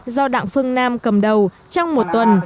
do đặng phương nam cầm đầu trong một tuần